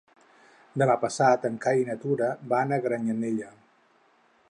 Demà passat en Cai i na Tura van a Granyanella.